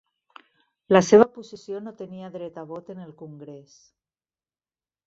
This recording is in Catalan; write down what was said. La seva posició no tenia dret a vot en el Congrés.